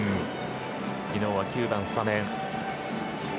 昨日は９番スタメン。